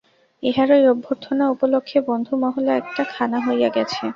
ইহারই অভ্যর্থনা উপলক্ষে বন্ধুমহলে একটা খানা হইয়া গেছে।